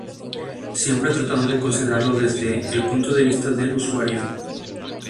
Siempre tratando de considerarlo desde el punto de vista del usuario.